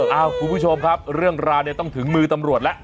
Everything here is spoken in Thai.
คุณผู้ชมครับเรื่องราวเนี่ยต้องถึงมือตำรวจแล้ว